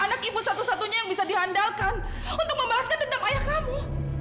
anak ibu satu satunya yang bisa diandalkan untuk membahaskan dendam ayah kamu